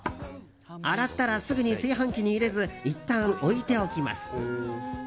洗ったらすぐに炊飯器に入れずいったん置いておきます。